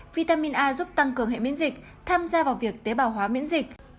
vitamin a giúp tăng cường hệ biễn dịch tham gia vào việc tế bào hóa biễn dịch